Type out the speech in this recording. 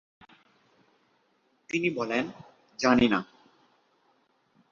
তবে ঐ পর্যায়ের ক্রিকেটে তার ব্যাটিং তেমন দর্শনীয় ছিল না।